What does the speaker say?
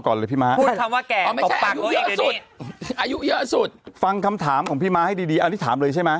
ลมก่อนเลยพี่มาพวงคำถามของพี่มาให้ดีฐานหรือใช่มั้ย